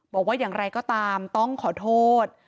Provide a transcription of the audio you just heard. บอกว่าอย่างไรก็ตามต้องขอโทษ